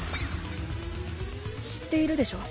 知っているでしょう？